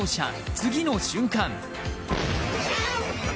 次の瞬間。